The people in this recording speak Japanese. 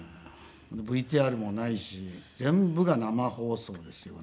ＶＴＲもないし全部が生放送ですよね。